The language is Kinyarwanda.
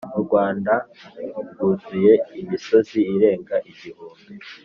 U Rwanda rwuzuye imisozi irenga igihumbi